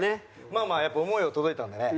まあまあやっぱり想いは届いたんでね。